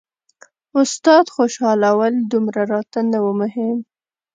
استاد خوشحالول دومره راته نه وو مهم.